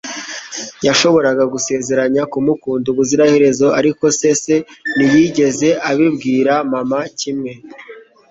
Yashoboraga gusezeranya kumukunda ubuziraherezo, ariko se se ntiyigeze abibwira mama kimwe?